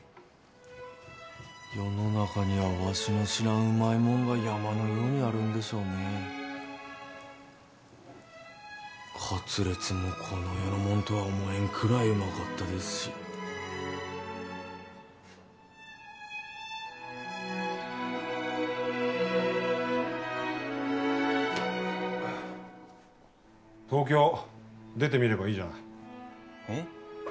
世の中にはわしの知らんうまいもんが山のようにあるんでしょうねカツレツもこの世のもんとは思えんくらいうまかったですし東京出てみればいいじゃないえッ？